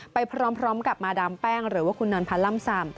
ไปพร้อมพร้อมกับมาดามแป้งหรือว่าคุณนอนพระล่ำซ่ำ